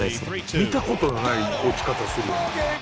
見た事のない落ち方するよね。